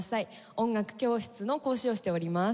音楽教室の講師をしております。